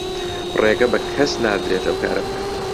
ڕێگە بە کەس نادرێت ئەو کارە بکات.